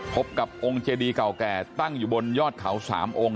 พบกับองค์เจดีเก่าแก่ตั้งอยู่บนยอดเขา๓องค์